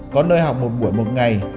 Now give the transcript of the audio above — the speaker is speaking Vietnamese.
có nơi học một buổi một ngày